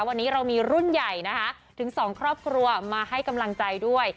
วันนี้เรามีรุ่นใหญ่นะคะถึงสองครอบครัวมาให้กำลังใจด้วย